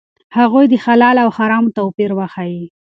هغوی ته د حلال او حرامو توپیر وښایئ.